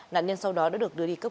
nạn nhân sau đó đã được đưa đi cấp